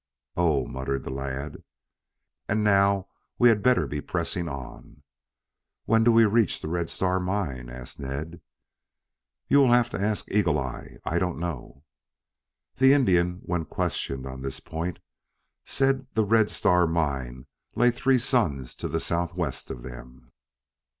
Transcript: "Oh," muttered the lad. "And now we had better be pressing on." "When do we reach the Red Star Mine?" asked Ned. "You will have to ask Eagle eye. I don't know." The Indian, when questioned on this point, said the Red Star Mine lay three suns to the southwest of them.